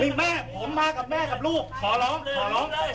พี่ย่ายพี่พี่พูดดิ